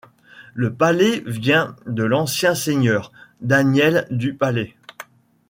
Le Pallet vient de l'ancien seigneur, Daniel du Palais.